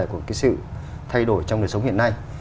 của cái sự thay đổi trong đời sống hiện nay